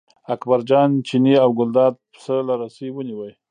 اکبرجان چینی او ګلداد پسه له رسۍ ونیوه.